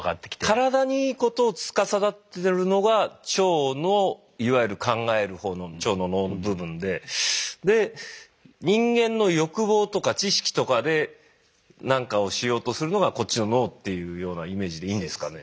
体にいいことをつかさどってるのが腸のいわゆる考える方の腸の脳の部分でで人間の欲望とか知識とかで何かをしようとするのがこっちの脳っていうようなイメージでいいんですかね。